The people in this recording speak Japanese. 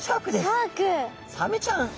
サメちゃん。